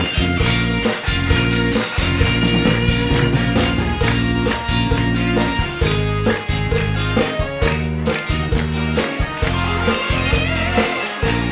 ฟังจากอินโทร